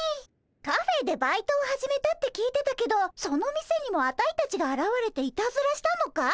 カフェでバイトを始めたって聞いてたけどその店にもアタイたちがあらわれていたずらしたのかい？